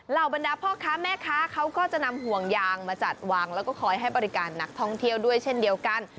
บรรดาพ่อค้าแม่ค้าเขาก็จะนำห่วงยางมาจัดวางแล้วก็คอยให้บริการนักท่องเที่ยวด้วยเช่นเดียวกัน